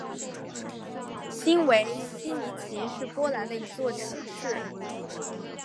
新维希尼奇是波兰的一座城市。